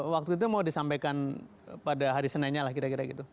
waktu itu mau disampaikan pada hari seninnya lah kira kira gitu